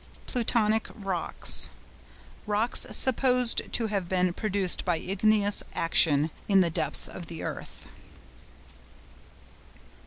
PLUTONIC ROCKS.—Rocks supposed to have been produced by igneous action in the depths of the earth.